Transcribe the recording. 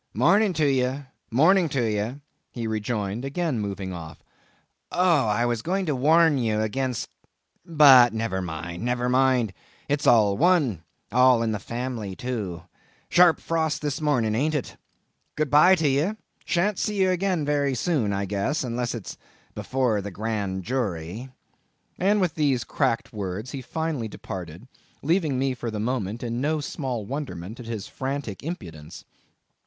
"Morning to ye! morning to ye!" he rejoined, again moving off. "Oh! I was going to warn ye against—but never mind, never mind—it's all one, all in the family too;—sharp frost this morning, ain't it? Good bye to ye. Shan't see ye again very soon, I guess; unless it's before the Grand Jury." And with these cracked words he finally departed, leaving me, for the moment, in no small wonderment at his frantic impudence.